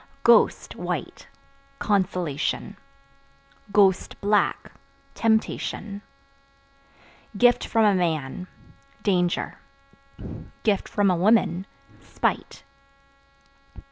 Ghost (White) consolation; (black) temptation. Gift (From a man) danger; (from a woman) spite.